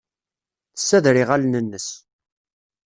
Tessader iɣallen-nnes.